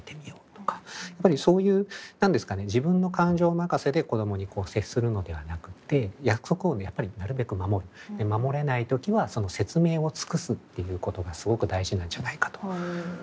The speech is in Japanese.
やっぱりそういう何ですかね自分の感情任せで子供に接するのではなくて約束をやっぱりなるべく守る守れない時はその説明を尽くすっていうことがすごく大事なんじゃないかと。